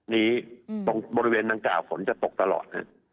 นี้บริเวณอากาศฝนจะตกตลอด